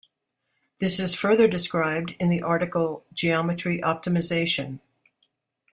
This is further described in the article geometry optimization.